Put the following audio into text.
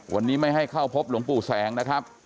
วันนี้ไม่ให้เข้าพบหลวงปู่แสงนะครับ